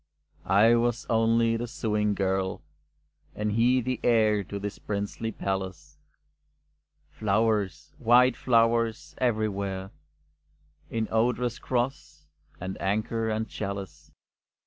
I was only the sewing girl, and he the heir to this princely palace. Flowers, white flowers, everywhere, In odorous cross, and anchor, and chalice.